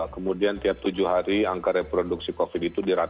kemudian tiap tujuh hari angka reproduksi covid ini akan meningkat